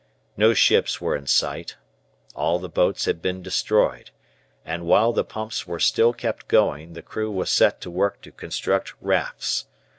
No ships were in sight, all the boats had been destroyed, and while the pumps were still kept going the crew was set to work to construct rafts.